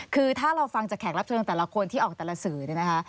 คือถ้าเราฟังจากแขกรับเชิญแต่ละคนที่ออกแต่ละสื่อเนี่ยนะคะ